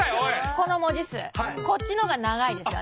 この文字数こっちのほうが長いですよね。